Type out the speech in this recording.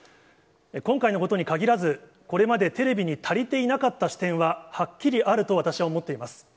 今回のことにかぎらず、これまでテレビに足りていなかった視点ははっきりあると、私は思っています。